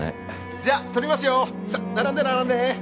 じゃあ撮りさっ並んで並んで。